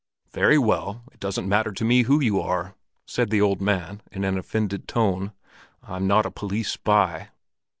"Very well; it doesn't matter to me who you are!" said the old man in an offended tone. "I'm not a police spy."